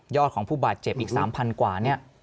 ของผู้บาดเจ็บอีก๓๐๐กว่าเนี่ย